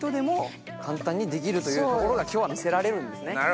というところが今日は見せられるんですね。